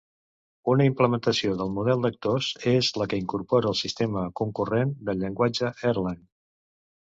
Una implementació del model d'Actors és la que incorpora el sistema concurrent del llenguatge Erlang.